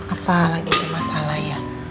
apa lagi masalah ya